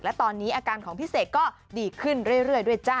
และตอนนี้อาการของพี่เสกก็ดีขึ้นเรื่อยด้วยจ้ะ